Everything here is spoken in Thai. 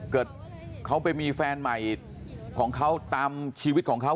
เกิดเขาไปมีแฟนใหม่ของเขาตามชีวิตของเขา